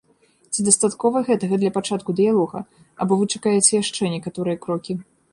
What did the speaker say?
Ці дастаткова гэтага для пачатку дыялога або вы чакаеце яшчэ некаторыя крокі?